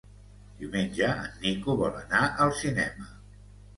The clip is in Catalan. Diumenge en Nico vol anar al cinema.